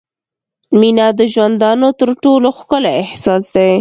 • مینه د ژوندانه تر ټولو ښکلی احساس دی.